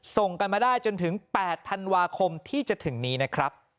ส่งกันมาได้จนถึง๘ธันวาคมที่จะถึงนี้นะครับ